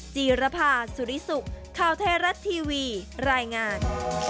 จีรภาสุริสุขข่าวไทยรัฐทีวีรายงาน